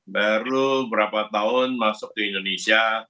baru berapa tahun masuk ke indonesia